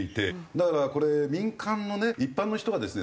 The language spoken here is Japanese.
だからこれ民間のね一般の人がですね